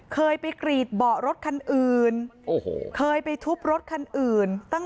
เคยไปกรีดบ่อรถคันอื่นเคยไปทุบรถคันอื่น